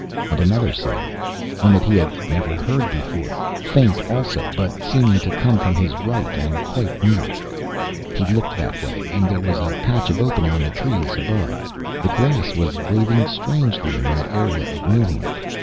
And another sound one that he had never heard before faint, also, but seeming to come from his right and quite near. He looked that way, and there was a patch of opening in the trees above. The grass was waving strangely in that area of moonlight.